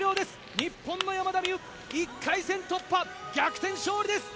日本の山田美諭１回戦突破逆転勝利です。